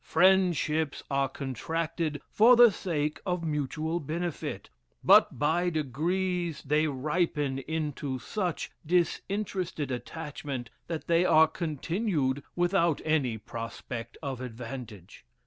Friendships are contracted for the sake of mutual benefit; but by degrees they ripen into such disinterested attachment, that they are continued without any prospect of advantage.